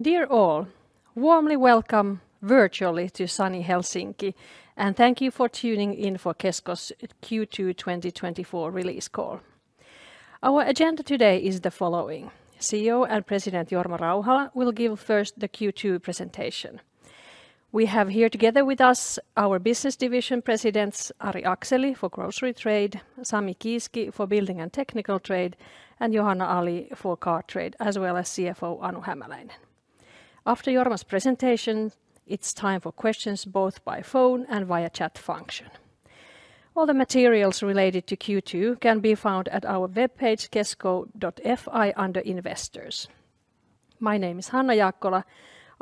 Dear all, warmly welcome virtually to Sunny Helsinki, and thank you for tuning in for Kesko's Q2 2024 release call. Our agenda today is the following: CEO and President Jorma Rauhala will give first the Q2 presentation. We have here together with us our business division presidents, Ari Akseli for Grocery Trade, Sami Kiiski for Building and Technical Trade, and Johanna Ali for Car Trade, as well as CFO Anu Hämäläinen. After Jorma's presentation, it's time for questions both by phone and via chat function. All the materials related to Q2 can be found at our webpage, kesko.fi, under Investors. My name is Hanna Jaakkola.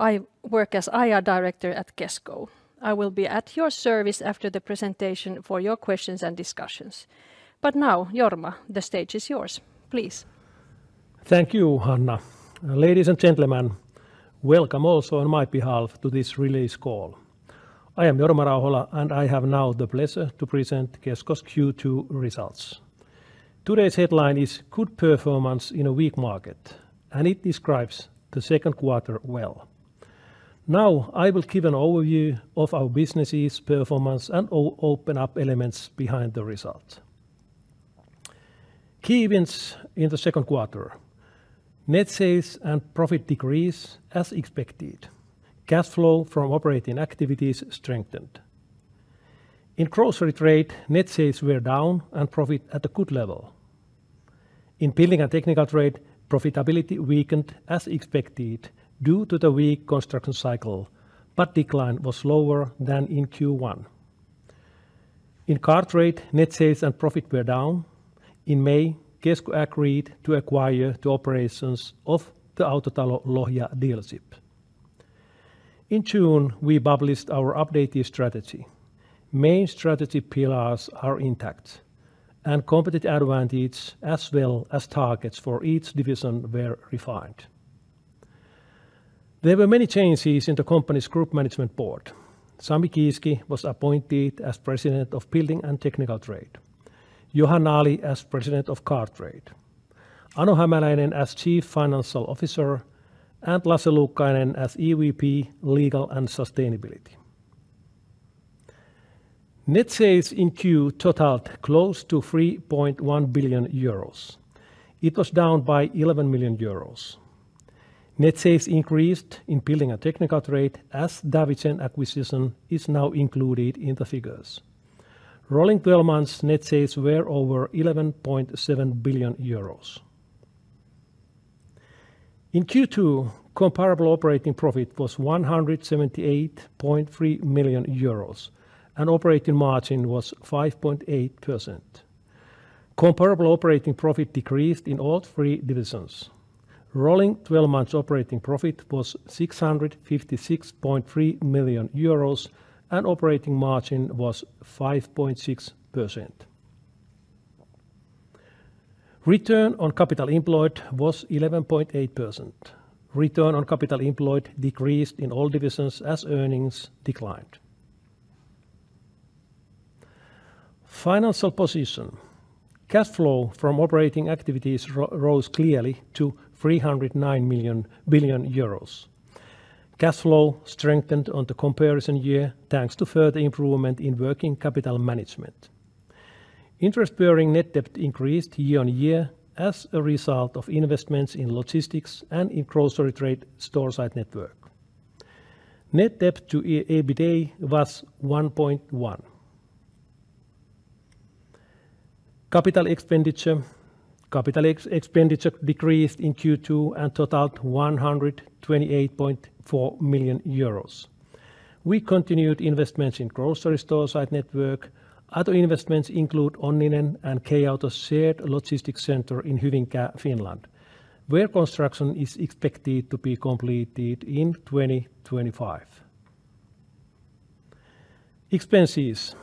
I work as IR Director at Kesko. I will be at your service after the presentation for your questions and discussions. Now, Jorma, the stage is yours. Please. Thank you, Hanna. Ladies and gentlemen, welcome also on my behalf to this release call. I am Jorma Rauhala, and I have now the pleasure to present Kesko's Q2 results. Today's headline is "Good Performance in a Weak Market," and it describes the second quarter well. Now I will give an overview of our businesses' performance and open up elements behind the results. Key events in the second quarter: net sales and profit decreased as expected. Cash flow from operating activities strengthened. In Grocery Trade, net sales were down and profit at a good level. In Building and Technical Trade, profitability weakened as expected due to the weak construction cycle, but decline was lower than in Q1. In Car Trade, net sales and profit were down. In May, Kesko agreed to acquire the operations of the Autotalo Lohja dealership. In June, we published our updated strategy. Main strategy pillars are intact, and competitive advantages as well as targets for each division were refined. There were many changes in the company's Group Management Board. Sami Kiiski was appointed as President of Building and Technical Trade, Johanna Ali as President of Car Trade, Anu Hämäläinen as Chief Financial Officer, and Lasse Luukkainen as EVP, Legal and Sustainability. Net sales in Q2 totaled close to 3.1 billion euros. It was down by 11 million euros. Net sales increased in Building and Technical Trade as Davidsen acquisition is now included in the figures. Rolling 12 months net sales were over 11.7 billion euros. In Q2, comparable operating profit was 178.3 million euros, and operating margin was 5.8%. Comparable operating profit decreased in all three divisions. Rolling 12 months operating profit was 656.3 million euros, and operating margin was 5.6%. Return on capital employed was 11.8%. Return on capital employed decreased in all divisions as earnings declined. Financial position: cash flow from operating activities rose clearly to 309 million. Cash flow strengthened on the comparison year thanks to further improvement in working capital management. Interest-bearing net debt increased year-on-year as a result of investments in logistics and in Grocery Trade store site network. Net debt to EBITDA was 1.1. Capital expenditure decreased in Q2 and totaled 128.4 million euros. We continued investments in grocery store site network. Other investments include Onninen and K-Auto's shared logistics center in Hyvinkää, Finland, where construction is expected to be completed in 2025. Expenses: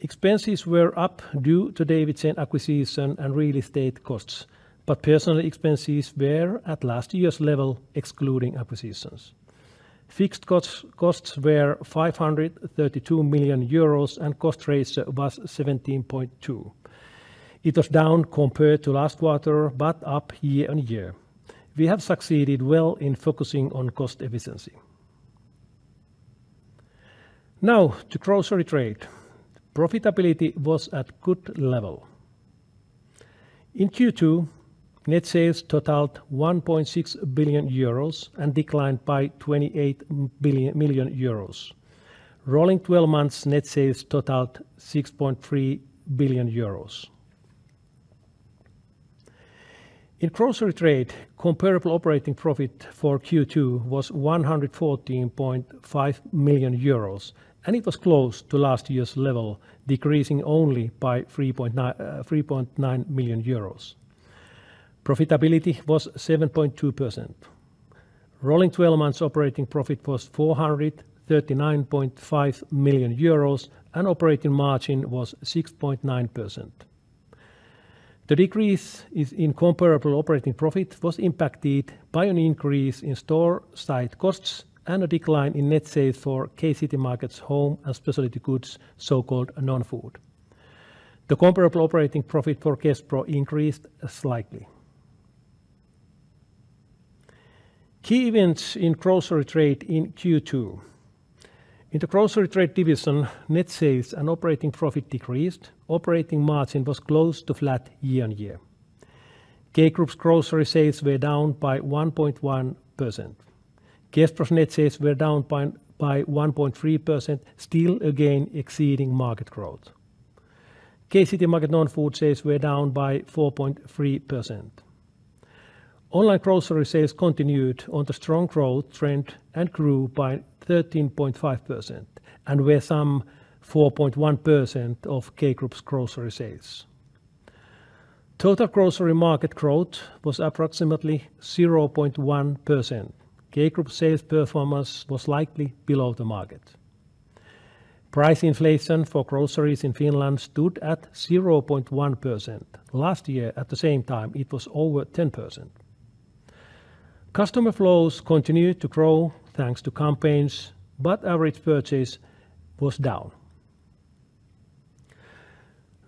expenses were up due to Davidsen acquisition and real estate costs, but personnel expenses were at last year's level excluding acquisitions. Fixed costs were 532 million euros, and cost ratio was 17.2%. It was down compared to last quarter, but up year-on-year. We have succeeded well in focusing on cost efficiency. Now to Grocery Trade: profitability was at good level. In Q2, net sales totaled 1.6 billion euros and declined by 28 million euros. Rolling 12 months net sales totaled 6.3 billion euros. In Grocery Trade, comparable operating profit for Q2 was 114.5 million euros, and it was close to last year's level, decreasing only by 3.9 million euros. Profitability was 7.2%. Rolling 12 months operating profit was 439.5 million euros, and operating margin was 6.9%. The decrease in comparable operating profit was impacted by an increase in store site costs and a decline in net sales for K-Citymarket's home and specialty goods, so-called non-food. The comparable operating profit for Kesko increased slightly. Key events in Grocery Trade in Q2: in the Grocery Trade division, net sales and operating profit decreased. Operating margin was close to flat year on year. K-Group's grocery sales were down by 1.1%. Kesko's net sales were down by 1.3%, still again exceeding market growth. K-Citymarket non-food sales were down by 4.3%. Online grocery sales continued on the strong growth trend and grew by 13.5% and were some 4.1% of K-Group's grocery sales. Total grocery market growth was approximately 0.1%. K-Group's sales performance was likely below the market. Price inflation for groceries in Finland stood at 0.1%. Last year, at the same time, it was over 10%. Customer flows continued to grow thanks to campaigns, but average purchase was down.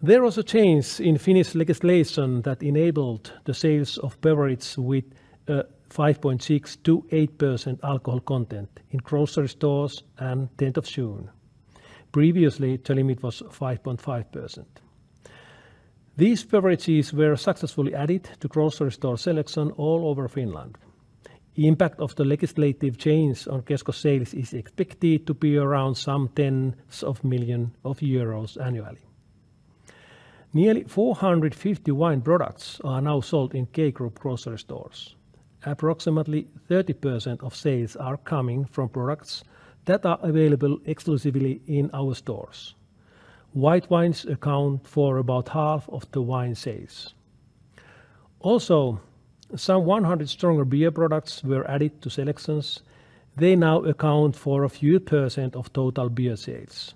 There was a change in Finnish legislation that enabled the sales of beverages with a 5.6%-8% alcohol content in grocery stores and 10th of June. Previously, the limit was 5.5%. These beverages were successfully added to grocery store selection all over Finland. The impact of the legislative change on Kesko's sales is expected to be around some tens of millions of euros annually. Nearly 450 wine products are now sold in K-Group grocery stores. Approximately 30% of sales are coming from products that are available exclusively in our stores. White wines account for about half of the wine sales. Also, some 100 stronger beer products were added to selections. They now account for a few % of total beer sales.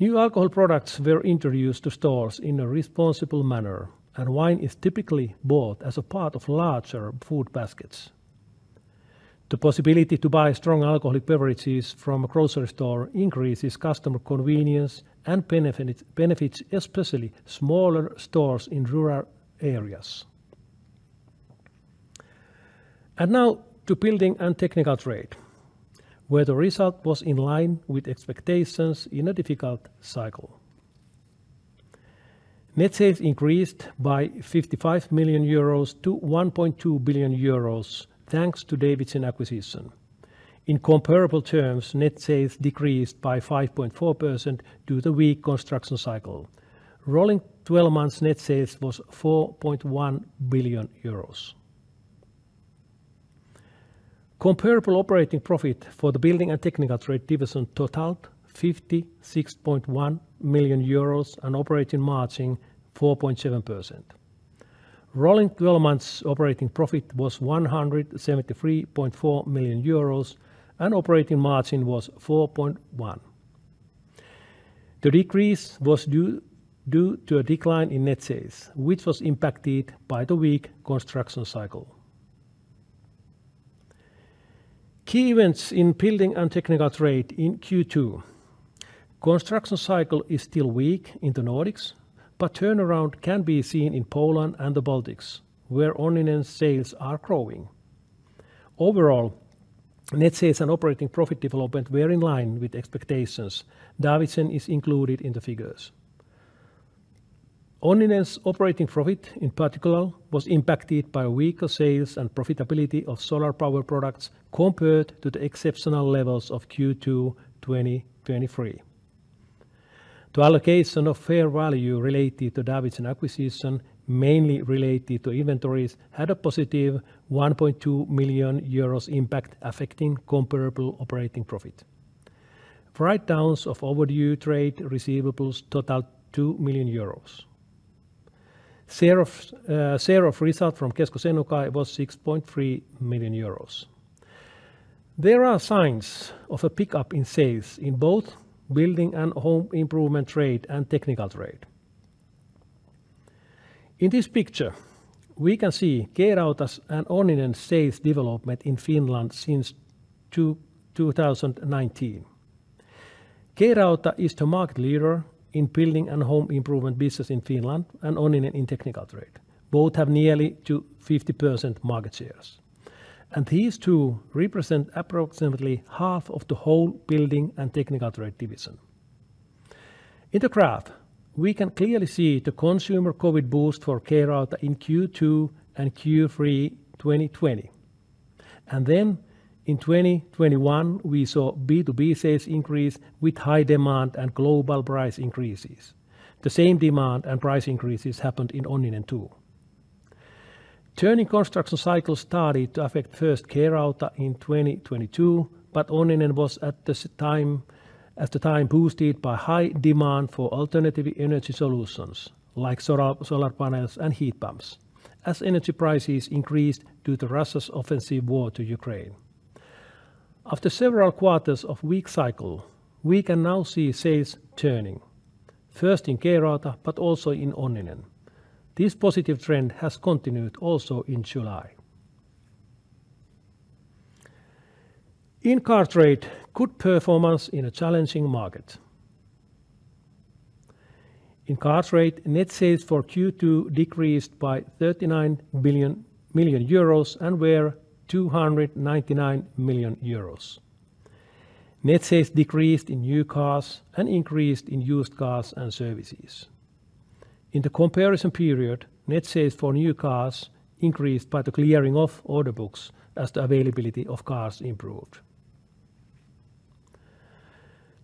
New alcohol products were introduced to stores in a responsible manner, and wine is typically bought as a part of larger food baskets. The possibility to buy strong alcoholic beverages from a grocery store increases customer convenience and benefits especially smaller stores in rural areas. And now to Building and Technical Trade, where the result was in line with expectations in a difficult cycle. Net sales increased by 55 million-1.2 billion euros thanks to Davidsen acquisition. In comparable terms, net sales decreased by 5.4% due to the weak construction cycle. Rolling 12 months net sales was 4.1 billion euros. Comparable operating profit for the Building and Technical Trade division totaled 56.1 million euros and operating margin 4.7%. Rolling 12 months operating profit was 173.4 million euros, and operating margin was 4.1%. The decrease was due to a decline in net sales, which was impacted by the weak construction cycle. Key events in Building and Technical Trade in Q2: construction cycle is still weak in the Nordics, but turnaround can be seen in Poland and the Baltics, where Onninen's sales are growing. Overall, net sales and operating profit development were in line with expectations. Davidsen is included in the figures. Onninen's operating profit, in particular, was impacted by weaker sales and profitability of solar power products compared to the exceptional levels of Q2 2023. The allocation of fair value related to Davidsen acquisition, mainly related to inventories, had a positive 1.2 million euros impact affecting comparable operating profit. Write-downs of overdue trade receivables totaled 2 million euros. Share of result from Kesko Senukai was 6.3 million euros. There are signs of a pickup in sales in both Building and Home Improvement Trade and Technical Trade. In this picture, we can see K-Rauta's and Onninen's sales development in Finland since 2019. K-Rauta is the market leader in Building and Home Improvement business in Finland and Onninen in Technical Trade. Both have nearly 50% market shares, and these two represent approximately half of the whole Building and Technical Trade division. In the graph, we can clearly see the consumer COVID boost for K-Auto in Q2 and Q3 2020. Then in 2021, we saw B2B sales increase with high demand and global price increases. The same demand and price increases happened in Onninen too. Turning construction cycle started to affect first K-Auto in 2022, but Onninen was at the time boosted by high demand for alternative energy solutions like solar panels and heat pumps as energy prices increased due to Russia's offensive war to Ukraine. After several quarters of weak cycle, we can now see sales turning, first in K-Auto but also in Onninen. This positive trend has continued also in July. In Car Trade, good performance in a challenging market. In Car Trade, net sales for Q2 decreased by EUR 39 million and were 299 million euros. Net sales decreased in new cars and increased in used cars and services. In the comparison period, net sales for new cars increased by the clearing of order books as the availability of cars improved.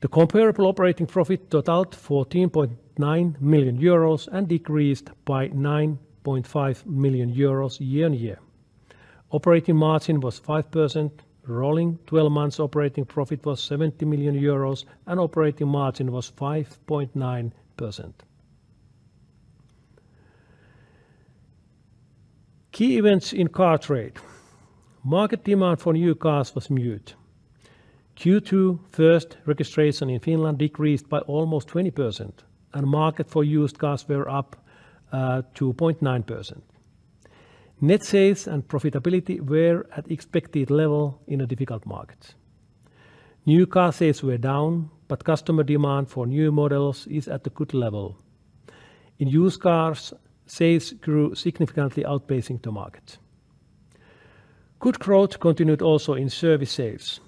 The comparable operating profit totaled 14.9 million euros and decreased by 9.5 million euros year-on-year. Operating margin was 5%. Rolling 12 months operating profit was 70 million euros, and operating margin was 5.9%. Key events in Car Trade: market demand for new cars was muted. Q2 first registrations in Finland decreased by almost 20%, and market for used cars were up 2.9%. Net sales and profitability were at expected level in a difficult market. New car sales were down, but customer demand for new models is at a good level. In used cars, sales grew significantly, outpacing the market. Good growth continued also in service sales.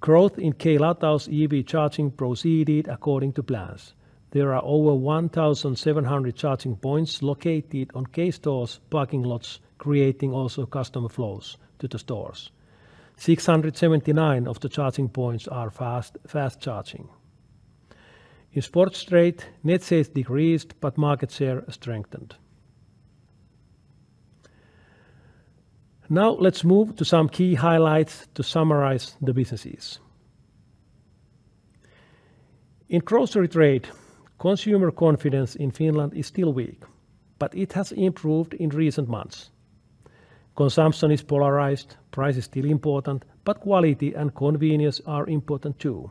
Growth in K-Auto's EV charging proceeded according to plans. There are over 1,700 charging points located on K-stores' parking lots, creating also customer flows to the stores. 679 of the charging points are fast charging. In Sports Trade, net sales decreased but market share strengthened. Now let's move to some key highlights to summarize the businesses. In Grocery Trade, consumer confidence in Finland is still weak, but it has improved in recent months. Consumption is polarized. Price is still important, but quality and convenience are important too.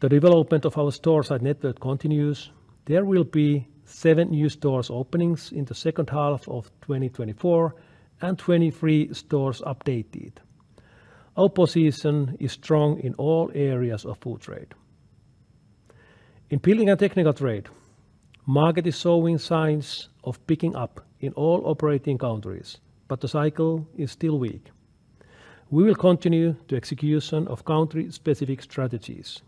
The development of our store site network continues. There will be seven new store openings in the second half of 2024 and 23 stores updated. Our position is strong in all areas of food trade. In Building and Technical Trade, the market is showing signs of picking up in all operating countries, but the cycle is still weak. We will continue the execution of country-specific strategies.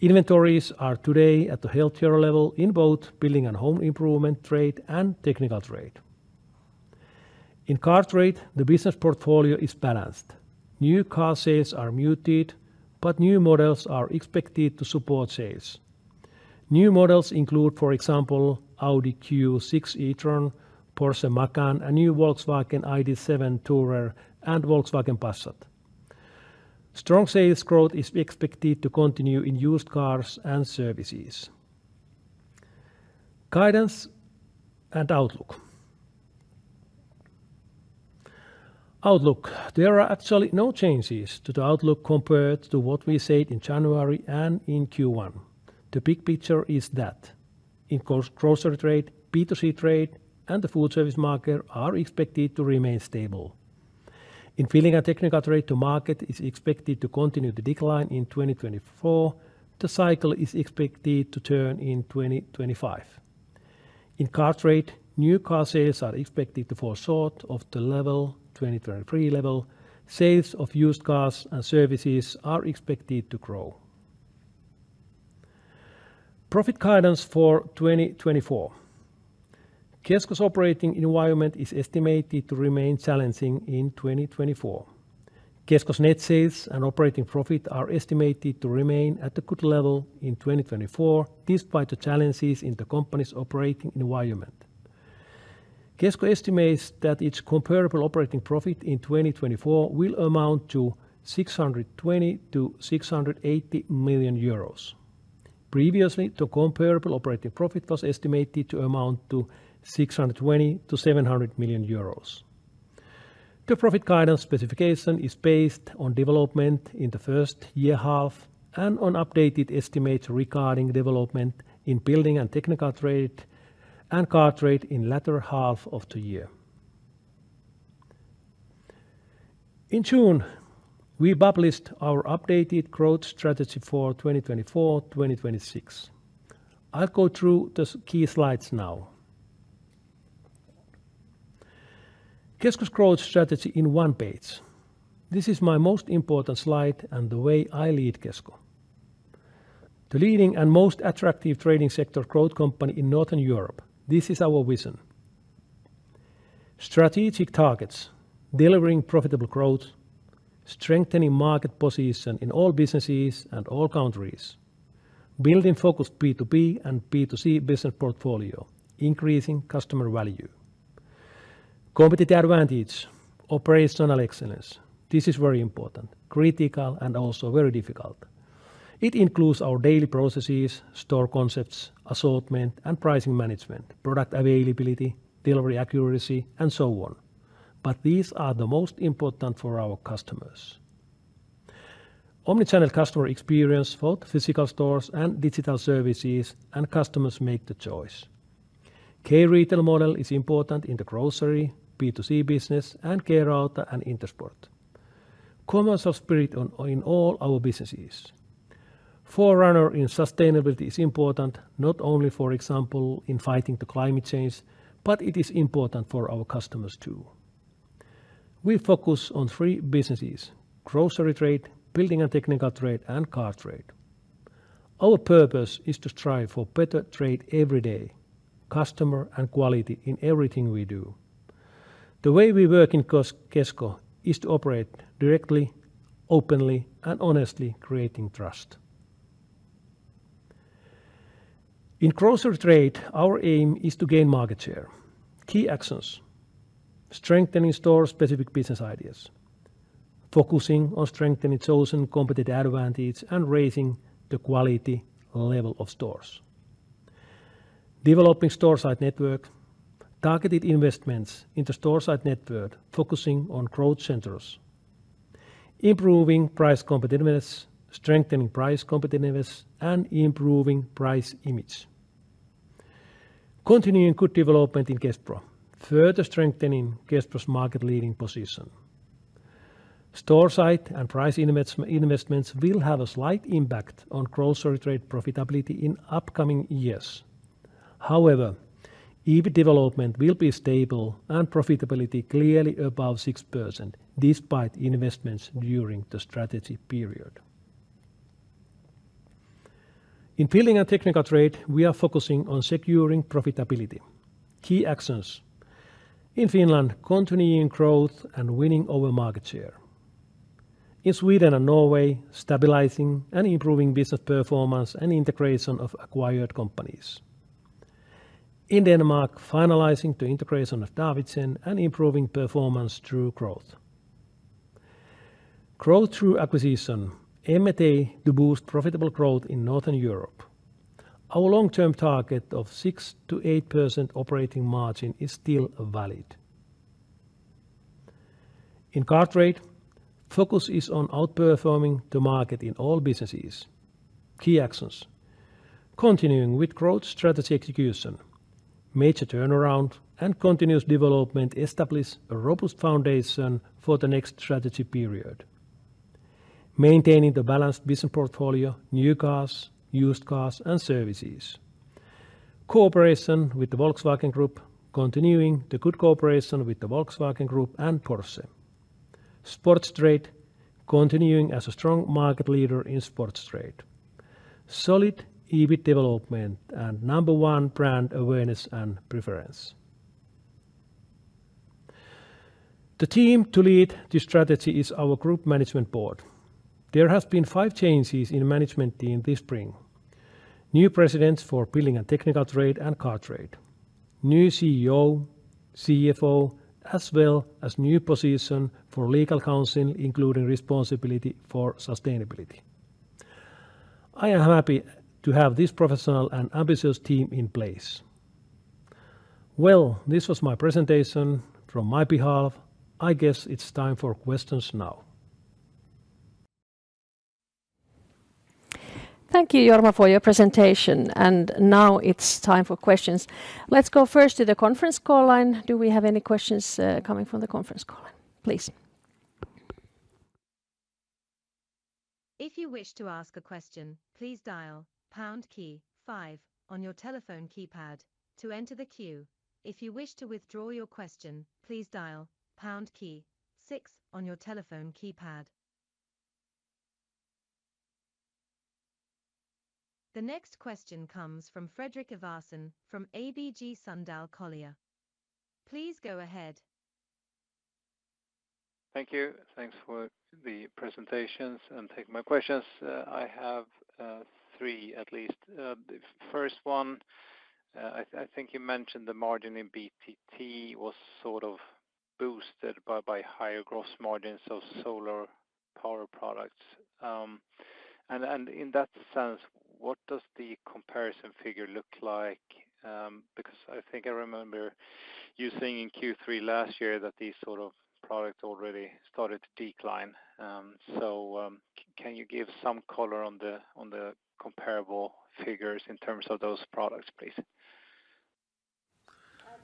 Inventories are today at the healthier level in both Building and Home Improvement Trade and Technical Trade. In Car Trade, the business portfolio is balanced. New car sales are muted, but new models are expected to support sales. New models include, for example, Audi Q6 e-tron, Porsche Macan, a new Volkswagen ID.7 Tourer, and Volkswagen Passat. Strong sales growth is expected to continue in used cars and services. Guidance and outlook. Outlook: there are actually no changes to the outlook compared to what we said in January and in Q1. The big picture is that in Grocery Trade, B2C Trade, and the food service market are expected to remain stable. In Building and Technical Trade, the market is expected to continue the decline in 2024. The cycle is expected to turn in 2025. In Car Trade, new car sales are expected to fall short of the level, 2023 level. Sales of used cars and services are expected to grow. Profit guidance for 2024: Kesko's operating environment is estimated to remain challenging in 2024. Kesko's net sales and operating profit are estimated to remain at a good level in 2024 despite the challenges in the company's operating environment. Kesko estimates that its comparable operating profit in 2024 will amount to 620 million-680 million euros. Previously, the comparable operating profit was estimated to amount to 620 million-700 million euros. The profit guidance specification is based on development in the first year half and on updated estimates regarding development in Building and Technical Trade and Car Trade in the latter half of the year. In June, we published our updated growth strategy for 2024-2026. I'll go through the key slides now. Kesko's growth strategy in one page. This is my most important slide and the way I lead Kesko. The leading and most attractive trading sector growth company in Northern Europe. This is our vision. Strategic targets: delivering profitable growth, strengthening market position in all businesses and all countries, building focused B2B and B2C business portfolio, increasing customer value. Competitive advantage, operational excellence. This is very important, critical, and also very difficult. It includes our daily processes, store concepts, assortment and pricing management, product availability, delivery accuracy, and so on. But these are the most important for our customers. Omnichannel customer experience for physical stores and digital services, and customers make the choice. Key retail model is important in the grocery, B2C business, and K-Auto and Intersport. Commercial spirit in all our businesses. Forerunner in sustainability is important, not only, for example, in fighting the climate change, but it is important for our customers too. We focus on three businesses: Grocery Trade, Building and Technical Trade, and Car Trade. Our purpose is to strive for better trade every day, customer and quality in everything we do. The way we work in Kesko is to operate directly, openly, and honestly, creating trust. In Grocery Trade, our aim is to gain market share. Key actions: strengthening store-specific business ideas, focusing on strengthening chosen competitive advantage, and raising the quality level of stores. Developing store site network, targeted investments into store site network, focusing on growth centers, improving price competitiveness, strengthening price competitiveness, and improving price image. Continuing good development in Kespro, further strengthening Kespro's market leading position. Store site and price investments will have a slight impact on Grocery Trade profitability in upcoming years. However, EV development will be stable and profitability clearly above 6% despite investments during the strategy period. In Building and Technical Trade, we are focusing on securing profitability. Key actions: in Finland, continuing growth and winning over market share. In Sweden and Norway, stabilizing and improving business performance and integration of acquired companies. In Denmark, finalizing the integration of Davidsen and improving performance through growth. Growth through acquisition, M&A to boost profitable growth in Northern Europe. Our long-term target of 6%-8% operating margin is still valid. In Car Trade, focus is on outperforming the market in all businesses. Key actions: continuing with growth strategy execution, major turnaround, and continuous development establishes a robust foundation for the next strategy period. Maintaining the balanced business portfolio, new cars, used cars, and services. Cooperation with the Volkswagen Group, continuing the good cooperation with the Volkswagen Group and Porsche. Sports Trade, continuing as a strong market leader in Sports Trade. Solid EV development and number one brand awareness and preference. The team to lead the strategy is our Group Management Board. There have been five changes in the management team this spring. New presidents for Building and Technical Trade and Car Trade. New CEO, CFO, as well as new position for Legal Counsel, including responsibility for sustainability. I am happy to have this professional and ambitious team in place. Well, this was my presentation from my behalf. I guess it's time for questions now. Thank you, Jorma, for your presentation. Now it's time for questions. Let's go first to the conference call line. Do we have any questions coming from the conference call line? Please. If you wish to ask a question, please dial key five on your telephone keypad to enter the queue. If you wish to withdraw your question, please dial key six on your telephone keypad. The next question comes from Fredrik Ivarsson from ABG Sundal Collier. Please go ahead. Thank you. Thanks for the presentations and taking my questions. I have three, at least. The first one, I think you mentioned the margin in BTT was sort of boosted by higher gross margins of solar power products. And in that sense, what does the comparison figure look like? Because I think I remember you saying in Q3 last year that these sort of products already started to decline. So can you give some color on the comparable figures in terms of those products, please?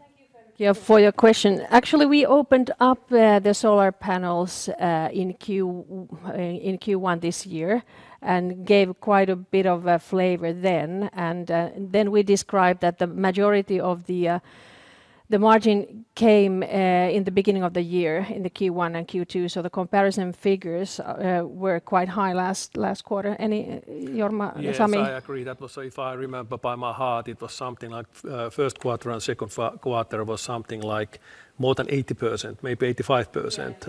Thank you for your question. Actually, we opened up the solar panels in Q1 this year and gave quite a bit of flavor then. And then we described that the majority of the margin came in the beginning of the year in the Q1 and Q2. So the comparison figures were quite high last quarter. Any Jorma? Yes, I agree. That was, if I remember by heart, it was something like first quarter and second quarter was something like more than 80%, maybe 85%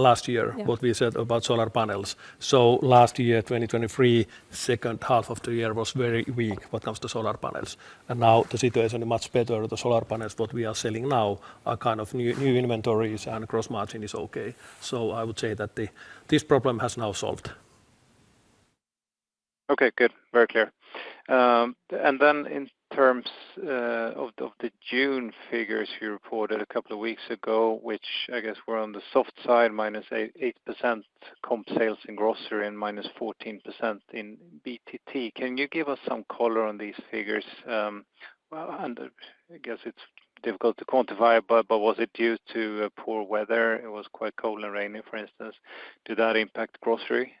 last year, what we said about solar panels. So last year, 2023, second half of the year was very weak when it comes to solar panels. And now the situation is much better. The solar panels that we are selling now are kind of new inventories and gross margin is okay. So I would say that this problem has now solved. Okay, good. Very clear. And then in terms of the June figures you reported a couple of weeks ago, which I guess were on the soft side, -8% comp sales in grocery and -14% in BTT. Can you give us some color on these figures? And I guess it's difficult to quantify, but was it due to poor weather? It was quite cold and rainy, for instance. Did that impact grocery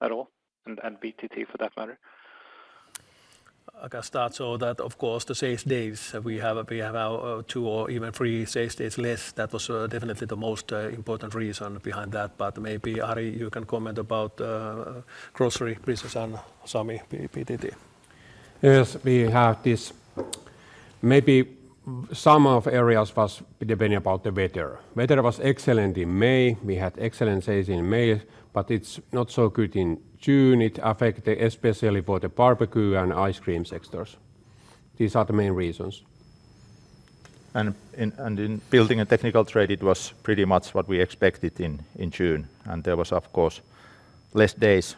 at all and BTT for that matter? I can start so that, of course, the sales days, we have 2 or even 3 sales days less. That was definitely the most important reason behind that. But maybe Ari, you can comment about grocery business and Sami BTT. Yes, we have this. Maybe some of the areas was depending about the weather. Weather was excellent in May. We had excellent sales in May, but it's not so good in June. It affected especially the barbecue and ice cream sectors. These are the main reasons. In Building and Technical Trade, it was pretty much what we expected in June. There was, of course, less days,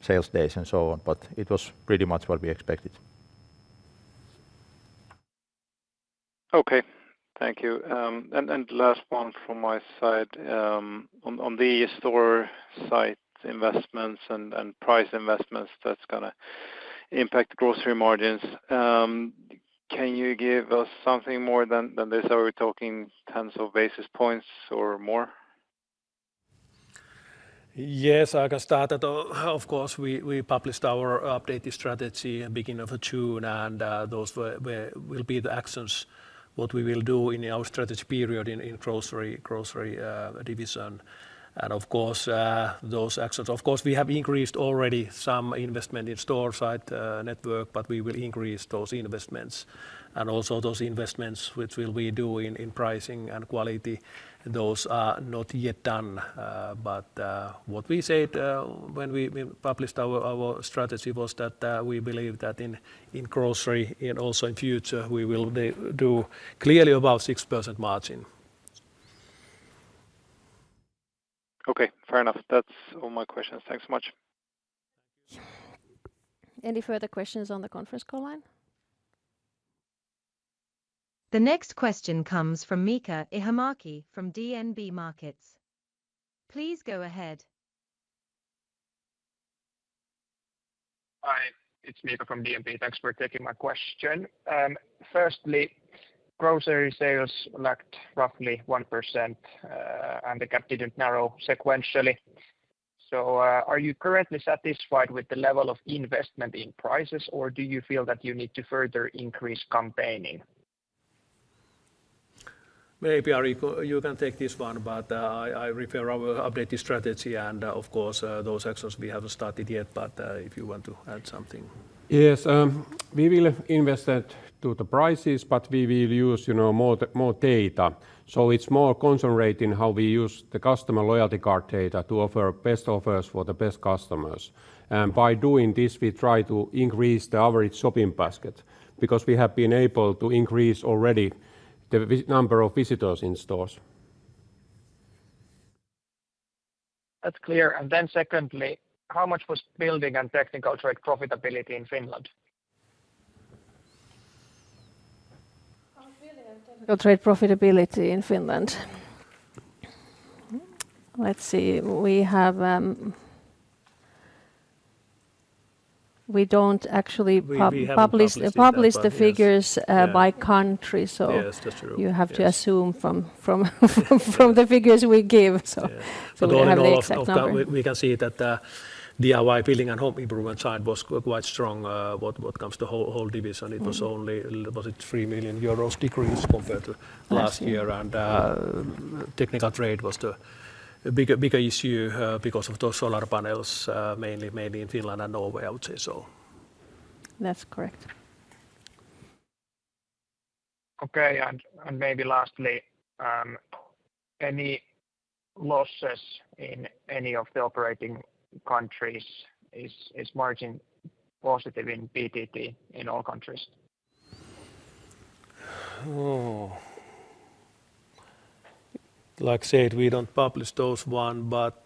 sales days, and so on, but it was pretty much what we expected. Okay, thank you. Last one from my side. On the store site investments and price investments, that's going to impact grocery margins. Can you give us something more than this? Are we talking tens of basis points or more? Yes, I can start at. Of course, we published our updated strategy at the beginning of June, and those will be the actions what we will do in our strategy period in grocery division. Of course, those actions, of course, we have increased already some investment in store site network, but we will increase those investments. And also those investments, which will we do in pricing and quality, those are not yet done. But what we said when we published our strategy was that we believe that in grocery and also in future, we will do clearly about 6% margin. Okay, fair enough. That's all my questions. Thanks so much. Any further questions on the conference call line? The next question comes from Miika Ihamäki from DNB Markets. Please go ahead. Hi, it's Miika from DNB. Thanks for taking my question. Firstly, grocery sales lacked roughly 1%, and the gap didn't narrow sequentially. So are you currently satisfied with the level of investment in prices, or do you feel that you need to further increase campaigning? Maybe Ari, you can take this one, but I refer our updated strategy, and of course, those actions we haven't started yet, but if you want to add something. Yes, we will invest into the prices, but we will use more data. So it's more concentrating how we use the customer loyalty card data to offer best offers for the best customers. And by doing this, we try to increase the average shopping basket because we have been able to increase already the number of visitors in stores. That's clear. And then secondly, how much was Building and Technical Trade profitability in Finland? Building and Technical Trade profitability in Finland. Let's see. We don't actually publish the figures by country, so you have to assume from the figures we give. So we don't have the exact number. We can see that the DIY, Building and Home Improvement side was quite strong. What comes to whole division, it was only, was it 3 million euros decrease compared to last year. Technical Trade was the bigger issue because of those solar panels, mainly in Finland and Norway, I would say so. That's correct. Okay. And maybe lastly, any losses in any of the operating countries is margin positive in BTT in all countries? Like I said, we don't publish those one, but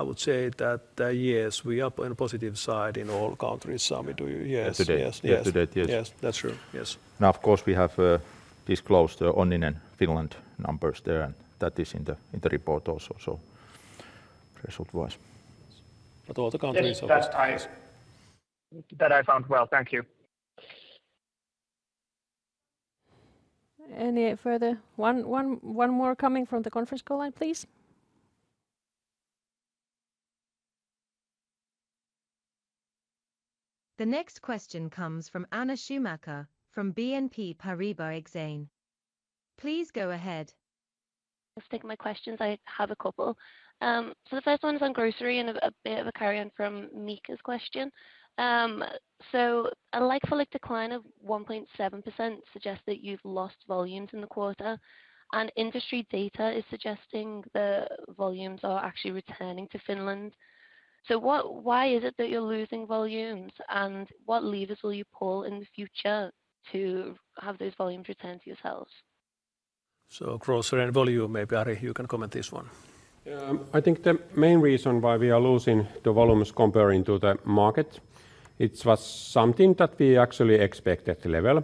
I would say that yes, we are on the positive side in all countries. Sami, do you? Yes. Yes. Yes. Yes. That's true. Yes. Now, of course, we have disclosed the Onninen Finland numbers there, and that is in the report also, so result-wise. But all the countries are. That I found. Well, thank you. Any further? One more coming from the conference call line, please. The next question comes from Anna Schumacher from BNP Paribas Exane. Please go ahead. Just take my questions. I have a couple. So the first one is on grocery and a bit of a carry-on from Miika's question. So a likable decline of 1.7% suggests that you've lost volumes in the quarter, and industry data is suggesting the volumes are actually returning to Finland. So why is it that you're losing volumes, and what levers will you pull in the future to have those volumes return to yourselves? So grocery and volume, maybe Ari, you can comment this one. I think the main reason why we are losing the volumes comparing to the market, it was something that we actually expected to level.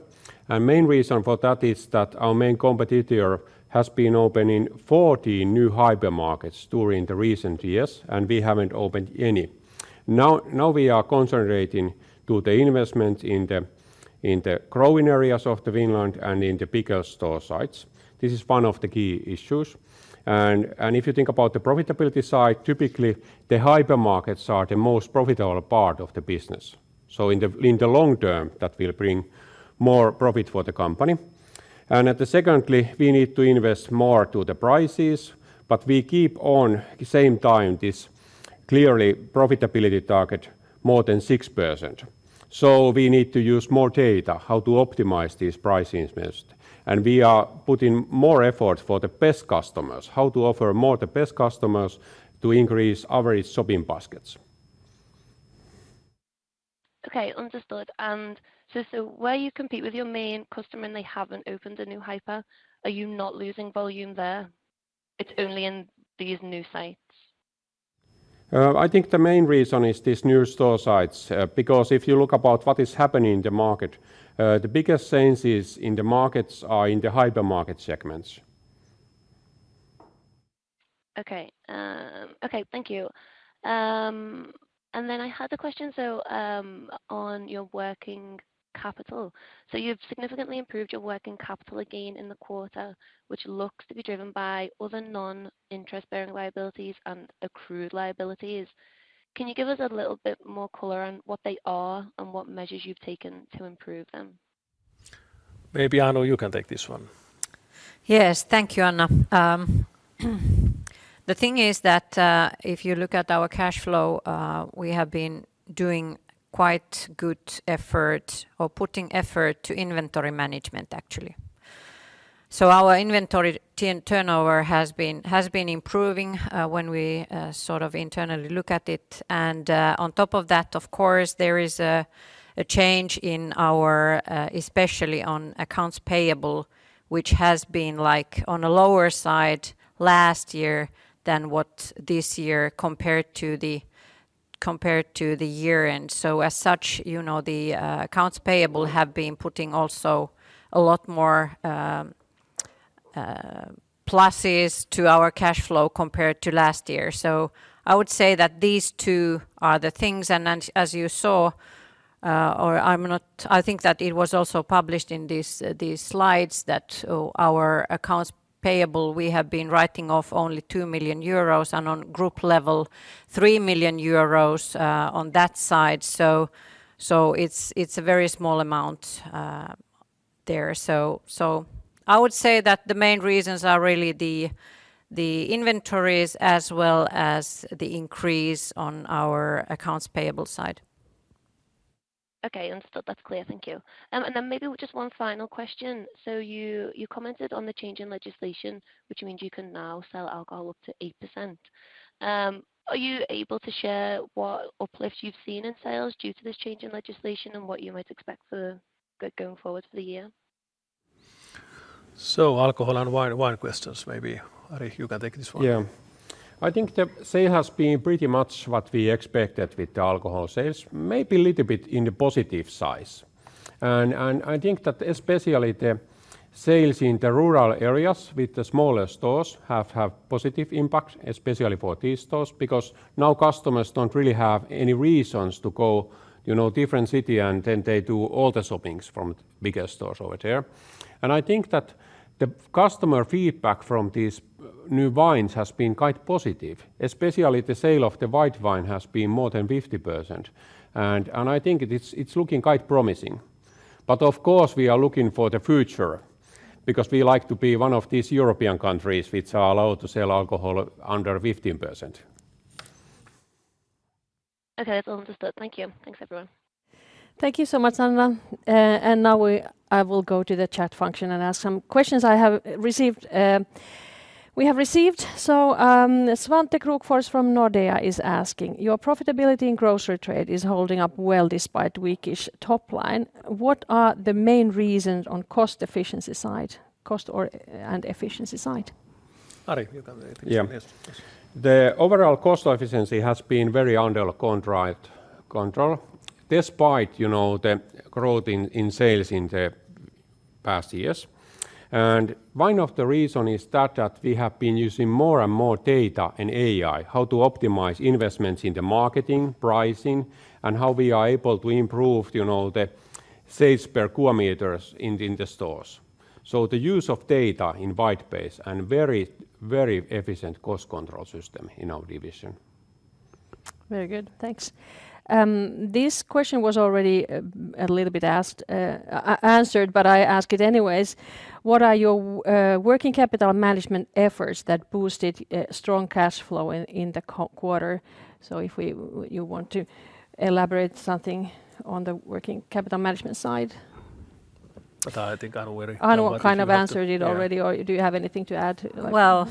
And the main reason for that is that our main competitor has been opening 14 new hypermarkets during the recent years, and we haven't opened any. Now we are concentrating to the investment in the growing areas of Finland and in the bigger store sites. This is one of the key issues. And if you think about the profitability side, typically the hypermarkets are the most profitable part of the business. So in the long term, that will bring more profit for the company. And secondly, we need to invest more to the prices, but we keep on the same time this clearly profitability target more than 6%. So we need to use more data, how to optimize these price increments. And we are putting more effort for the best customers, how to offer more to the best customers to increase average shopping baskets. Okay, understood. And so where you compete with your main customer and they haven't opened a new hyper, are you not losing volume there? It's only in these new sites. I think the main reason is these new store sites, because if you look about what is happening in the market, the biggest changes in the markets are in the hypermarket segments. Okay. Okay, thank you. Then I had the question. So on your working capital, so you've significantly improved your working capital again in the quarter, which looks to be driven by other non-interest-bearing liabilities and accrued liabilities. Can you give us a little bit more color on what they are and what measures you've taken to improve them? Maybe Anu, you can take this one. Yes, thank you, Anna. The thing is that if you look at our cash flow, we have been doing quite good effort or putting effort to inventory management, actually. So our inventory turnover has been improving when we sort of internally look at it. And on top of that, of course, there is a change in our, especially on accounts payable, which has been like on a lower side last year than what this year compared to the year end. So as such, the accounts payable have been putting also a lot more pluses to our cash flow compared to last year. So I would say that these two are the things. And as you saw, or I think that it was also published in these slides that our accounts payable, we have been writing off only 2 million euros and on group level, 3 million euros on that side. So it's a very small amount there. So I would say that the main reasons are really the inventories as well as the increase on our accounts payable side. Okay, understood. That's clear. Thank you. And then maybe just one final question. So you commented on the change in legislation, which means you can now sell alcohol up to 8%. Are you able to share what uplift you've seen in sales due to this change in legislation and what you might expect for going forward for the year? So alcohol and wine questions, maybe. Ari, you can take this one. Yeah. I think the sales have been pretty much what we expected with the alcohol sales, maybe a little bit on the positive side. And I think that especially the sales in the rural areas with the smaller stores have positive impact, especially for these stores, because now customers don't really have any reasons to go to a different city and then they do all the shopping from bigger stores over there. And I think that the customer feedback from these new wines has been quite positive. Especially the sale of the white wine has been more than 50%. I think it's looking quite promising. Of course, we are looking for the future because we like to be one of these European countries which are allowed to sell alcohol under 15%. Okay, that's all understood. Thank you. Thanks, everyone. Thank you so much, Anna. Now I will go to the chat function and ask some questions I have received. We have received. So Svante Krokfors from Nordea is asking, your profitability in grocery trade is holding up well despite weakish top line. What are the main reasons on cost efficiency side, cost and efficiency side? Ari, you can take this. The overall cost efficiency has been very under control, despite the growth in sales in the past years. And one of the reasons is that we have been using more and more data and AI how to optimize investments in the marketing, pricing, and how we are able to improve the sales per square meters in the stores. So the use of data in wide base and very, very efficient cost control system in our division. Very good. Thanks. This question was already a little bit answered, but I ask it anyways. What are your working capital management efforts that boosted strong cash flow in the quarter? So if you want to elaborate something on the working capital management side. I think I know what you're asking. I know what kind of answer you already. Or do you have anything to add? Well,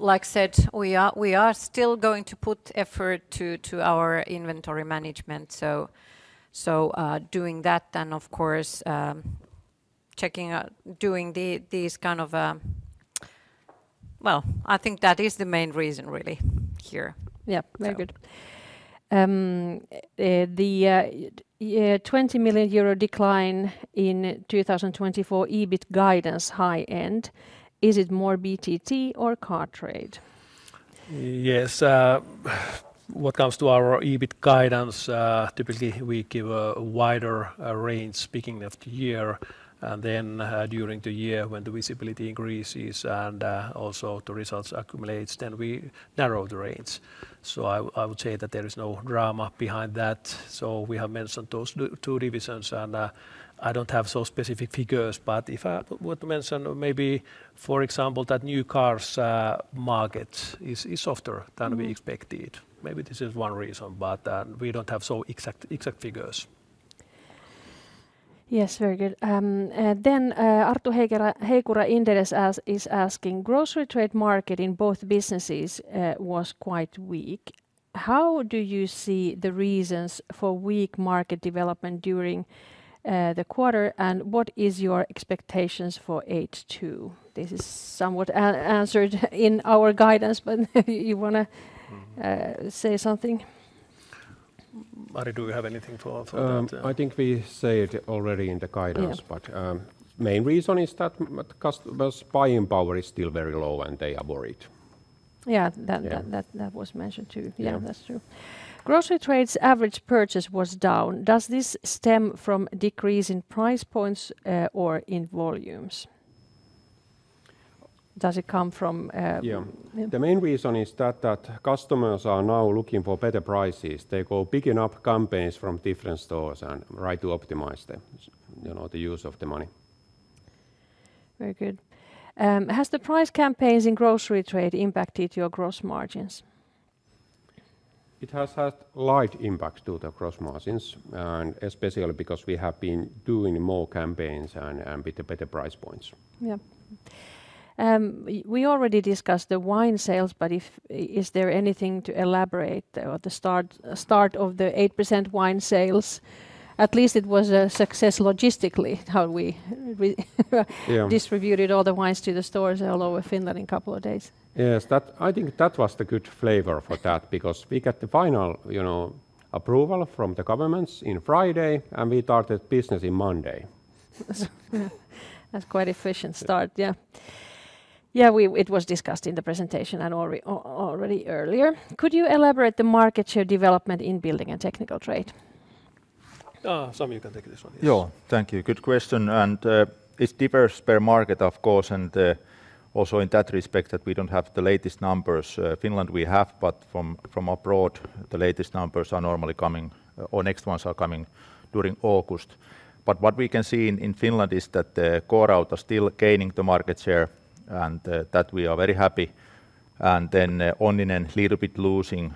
like I said, we are still going to put effort to our inventory management. So doing that and, of course, checking out, doing these kind of, well, I think that is the main reason really here. Yeah, very good. The 20 million euro decline in 2024 EBIT guidance high end, is it more BTT or Car Trade? Yes. What comes to our EBIT guidance, typically we give a wider range speaking of the year. And then during the year when the visibility increases and also the results accumulate, then we narrow the range. So I would say that there is no drama behind that. So we have mentioned those two divisions and I don't have so specific figures, but if I would mention maybe, for example, that new cars market is softer than we expected. Maybe this is one reason, but we don't have so exact figures. Yes, very good. Then Arttu Heikura, Inderes, is asking, grocery trade market in both businesses was quite weak. How do you see the reasons for weak market development during the quarter and what is your expectations for H2? This is somewhat answered in our guidance, but you want to say something? Ari, do you have anything to add on that? I think we said it already in the guidance, but the main reason is that customers' buying power is still very low and they are worried. Yeah, that was mentioned too. Yeah, that's true. Grocery trade's average purchase was down. Does this stem from decrease in price points or in volumes? Does it come from? Yeah, the main reason is that customers are now looking for better prices. They go picking up campaigns from different stores and try to optimize the use of the money. Very good. Has the price campaigns in grocery trade impacted your gross margins? It has had a light impact to the gross margins, especially because we have been doing more campaigns and with better price points. Yeah. We already discussed the wine sales, but is there anything to elaborate at the start of the 8% wine sales? At least it was a success logistically how we distributed all the wines to the stores all over Finland in a couple of days. Yes, I think that was the good flavor for that because we got the final approval from the governments on Friday and we started business on Monday. That's quite an efficient start. Yeah. Yeah, it was discussed in the presentation already earlier. Could you elaborate the market share development in building and technical trade? Sami, you can take this one. Yeah, thank you. Good question. It's deeper per market, of course. Also in that respect that we don't have the latest numbers. Finland we have, but from abroad, the latest numbers are normally coming or next ones are coming during August. But what we can see in Finland is that the core out are still gaining the market share and that we are very happy. Then online and a little bit losing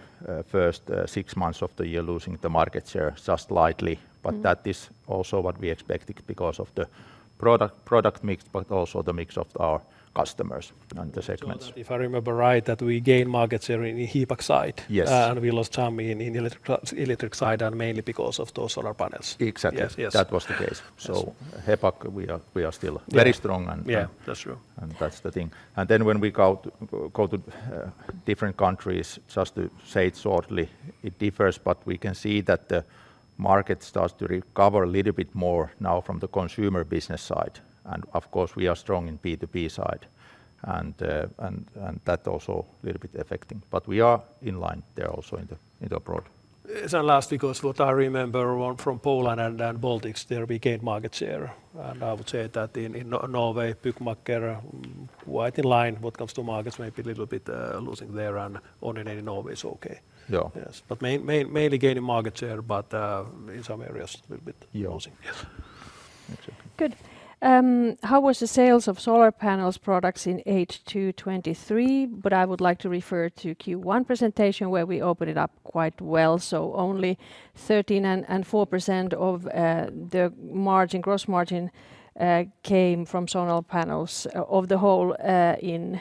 first six months of the year, losing the market share just slightly. But that is also what we expected because of the product mix, but also the mix of our customers and the segments. If I remember right, that we gained market share in the HEPAC side and we lost some in the electric side and mainly because of those solar panels. Exactly. That was the case. So HEPAC, we are still very strong. Yeah, that's true. And that's the thing. And then when we go to different countries, just to say it shortly, it differs, but we can see that the market starts to recover a little bit more now from the consumer business side. And of course, we are strong in the B2B side and that also a little bit affecting. But we are in line there also abroad. At least because what I remember from Poland and Baltics, there we gained market share. And I would say that in Norway, Byggmakker quite in line what comes to markets, maybe a little bit losing there and online in Norway is okay. But mainly gaining market share, but in some areas a little bit losing. Good. How was the sales of solar panels products in H223? But I would like to refer to Q1 presentation where we opened it up quite well. So only 13% and 4% of the margin, gross margin came from solar panels of the whole in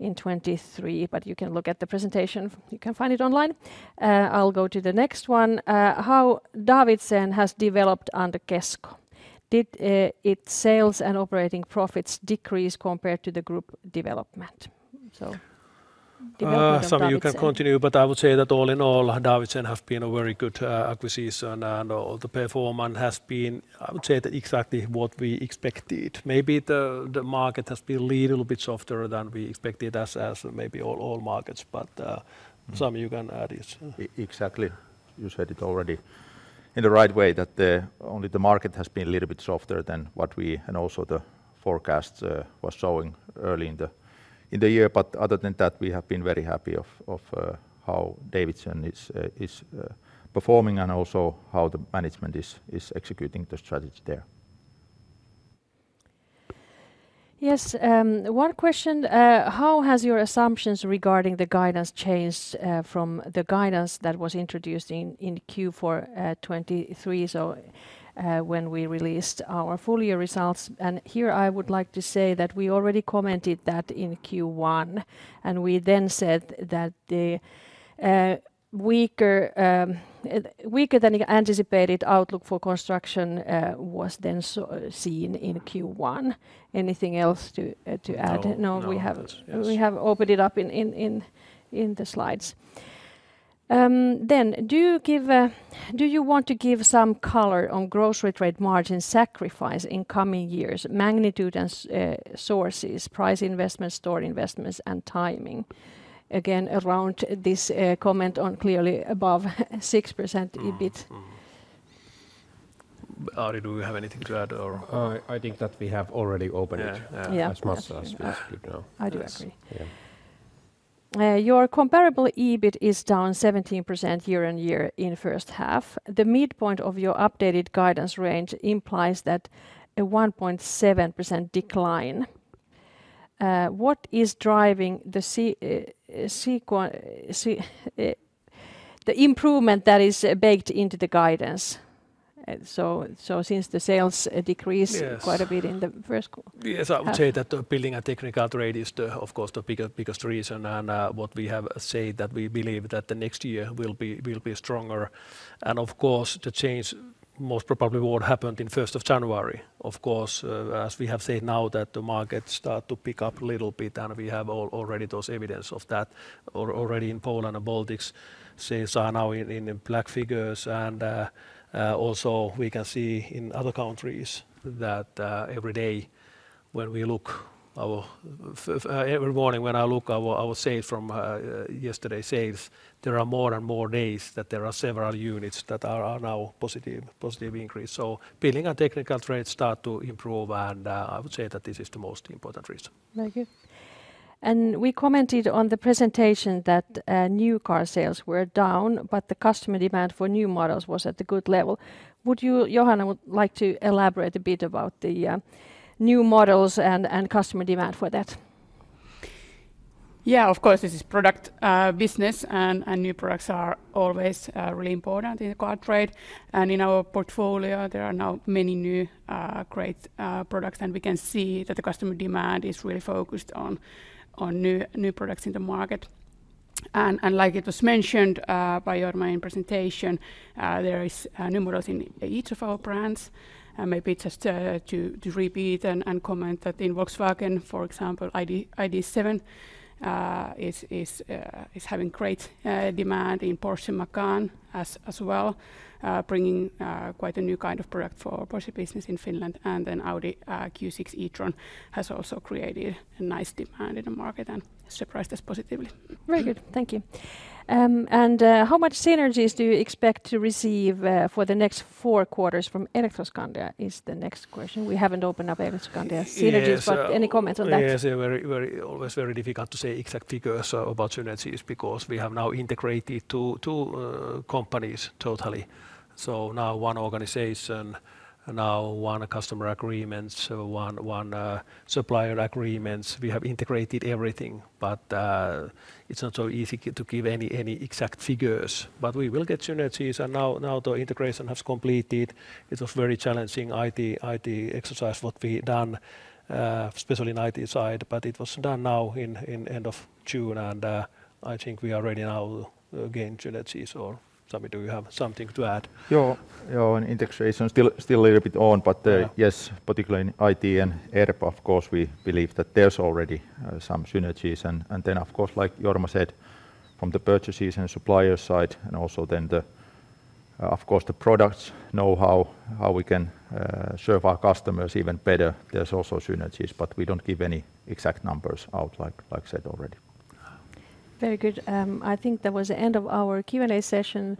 2023. But you can look at the presentation, you can find it online. I'll go to the next one. How Davidsen has developed under Kesko. Did its sales and operating profits decrease compared to the group development? So development. Sami, you can continue, but I would say that all in all, Davidsen has been a very good acquisition and the performance has been, I would say, exactly what we expected. Maybe the market has been a little bit softer than we expected as maybe all markets, but Sami, you can add this. Exactly. You said it already in the right way that only the market has been a little bit softer than what we and also the forecast was showing early in the year. But other than that, we have been very happy of how Davidsen is performing and also how the management is executing the strategy there. Yes. One question. How has your assumptions regarding the guidance changed from the guidance that was introduced in Q4 2023? So when we released our full year results. And here I would like to say that we already commented that in Q1 and we then said that the weaker than anticipated outlook for construction was then seen in Q1. Anything else to add? No, we have opened it up in the slides. Then do you want to give some color on grocery trade margin sacrifice in coming years, magnitude and sources, price investments, store investments, and timing? Again, around this comment on clearly above 6% EBIT. Ari, do you have anything to add or? I think that we have already opened it as much as we could now. I do agree. Your comparable EBIT is down 17% year-on-year in first half. The midpoint of your updated guidance range implies that a 1.7% decline. What is driving the improvement that is baked into the guidance? So since the sales decreased quite a bit in the first quarter. Yes, I would say that Building and Technical Trade is, of course, the biggest reason and what we have said that we believe that the next year will be stronger. And of course, the change most probably what happened in first of January. Of course, as we have said now that the market started to pick up a little bit and we have already those evidence of that already in Poland and Baltics. Sales are now in black figures and also we can see in other countries that every day when we look every morning when I look at our sales from yesterday's sales, there are more and more days that there are several units that are now positive increase. So Building and Technical Trade started to improve and I would say that this is the most important reason. Thank you. And we commented on the presentation that new car sales were down, but the customer demand for new models was at a good level. Would you, Johanna, like to elaborate a bit about the new models and customer demand for that? Yeah, of course, this is product business and new products are always really important in the Car Trade. In our portfolio, there are now many new great products and we can see that the customer demand is really focused on new products in the market. Like it was mentioned by your main presentation, there are new models in each of our brands. Maybe just to repeat and comment that in Volkswagen, for example, ID.7 is having great demand in Porsche Macan as well, bringing quite a new kind of product for Porsche business in Finland. Then Audi Q6 e-tron has also created a nice demand in the market and surprised us positively. Very good. Thank you. How much synergies do you expect to receive for the next four quarters from Elektroskandia is the next question. We haven't opened up Elektroskandia synergies, but any comments on that? It's always very difficult to say exact figures about synergies because we have now integrated two companies totally. So now one organization, now one customer agreement, one supplier agreement. We have integrated everything, but it's not so easy to give any exact figures. But we will get synergies and now the integration has completed. It was very challenging IT exercise what we done, especially in IT side, but it was done now in the end of June and I think we are ready now to gain synergies. Or Sami, do you have something to add? Yeah, integration still a little bit on, but yes, particularly in IT and ERP, of course, we believe that there's already some synergies. And then, of course, like Jorma said, from the purchases and supplier side, and also then, of course, the products, know how we can serve our customers even better. There's also synergies, but we don't give any exact numbers out like I said already. Very good. I think that was the end of our Q&A session.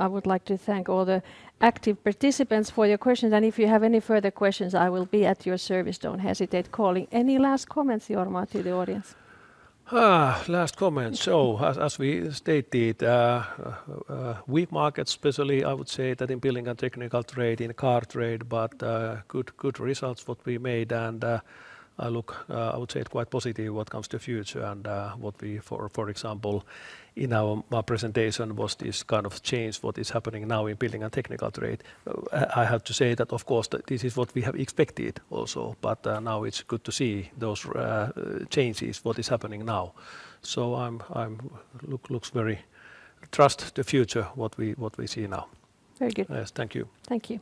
I would like to thank all the active participants for your questions. And if you have any further questions, I will be at your service. Don't hesitate calling. Any last comments, Jorma, to the audience? Last comment. So as we stated, we market specially, I would say that in building and technical trade, in car trade, but good results what we made. And I look, I would say it's quite positive what comes to the future and what we, for example, in our presentation was this kind of change, what is happening now in building and technical trade. I have to say that, of course, this is what we have expected also, but now it's good to see those changes, what is happening now. So I look very trust the future, what we see now. Very good. Yes, thank you. Thank you.